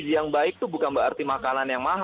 yang baik itu bukan berarti makanan yang mahal